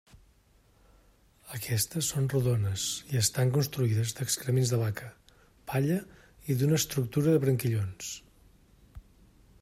Aquestes són rodones i estan construïdes d'excrements de vaca, palla i d'una estructura de branquillons.